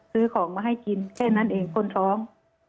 ซื้อของมาให้กินแค่นั้นเองคนท้อง